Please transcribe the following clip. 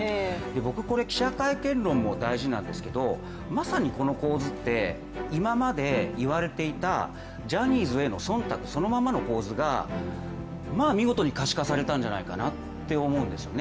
僕、これ記者会見論も大事なんですけど、まさにこの構図って今まで言われていたジャニーズへの忖度そのままの構図がまあ見事に可視化されたんじゃないかなと思うんですよね。